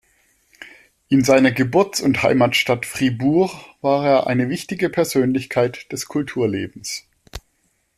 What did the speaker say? In seiner Geburts- und Heimatstadt Fribourg war er eine wichtige Persönlichkeit des Kulturlebens.